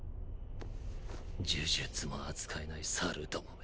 呪術も扱えない猿どもめ。